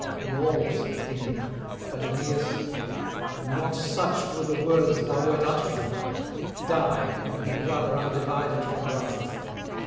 More he was pleading; but Aeneas: 'Not such were the words thou wert uttering. Die, and be brother undivided from brother.'